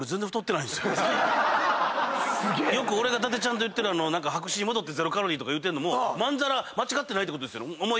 よく俺が伊達ちゃんと言ってる。とか言うてるのもまんざら間違ってないってことですよね？